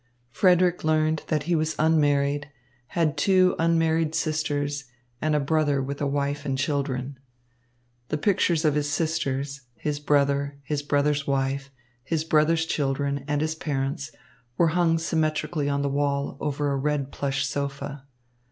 Frederick learned that he was unmarried, had two unmarried sisters and a brother with a wife and children. The pictures of his sisters, his brother, his brother's wife, his brother's children, and his parents were hung symmetrically on the wall over a red plush sofa.